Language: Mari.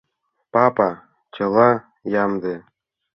Папа, чыла ямде.